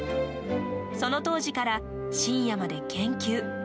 その当時から深夜まで研究。